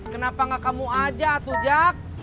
kenapa gak kamu aja tuh jak